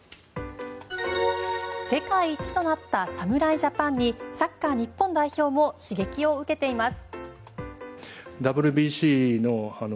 世界一となった侍ジャパンにサッカー日本代表も刺激を受けています。